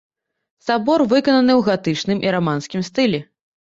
Сабор выкананы ў гатычным і раманскім стылі.